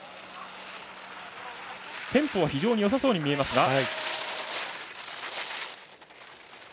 テンポは非常によさそうに見えます。